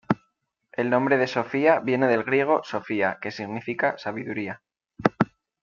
El nombre de Sofía viene del griego "sophia" que significa "sabiduría".